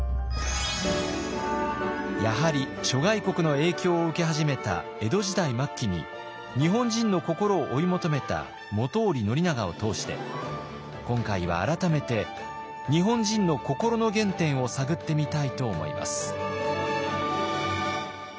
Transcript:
やはり諸外国の影響を受け始めた江戸時代末期に日本人の心を追い求めた本居宣長を通して今回は改めて日本人の心の原点を探ってみたいと思います。